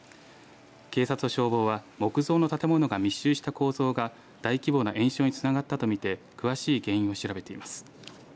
警察と消防は木造の建物が密集した構造が大規模な延焼につながったと見て詳しい原因を調べています。